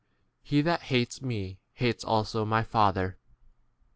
He that hates me hates also 24 mv Father.